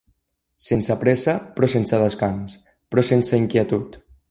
Sense pressa, però sense descans, però sense inquietud.